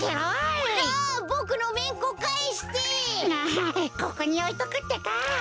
あここにおいとくってか。